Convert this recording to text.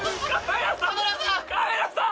カメラさん！